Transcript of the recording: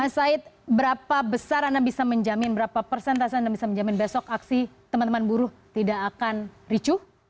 mas said berapa besar anda bisa menjamin berapa persentase anda bisa menjamin besok aksi teman teman buruh tidak akan ricuh